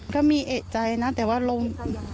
ก็มีเอกใจนะแต่ว่าลง